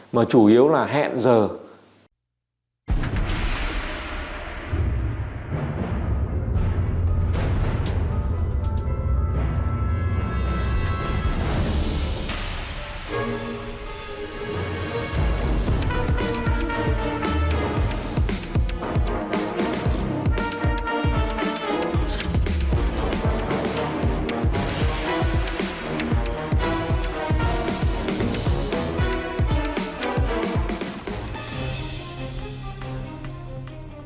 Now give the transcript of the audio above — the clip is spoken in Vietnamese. mà chủ yếu là hẹn giờ